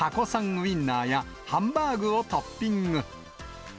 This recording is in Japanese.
ウインナーやハンバーグをトッピング。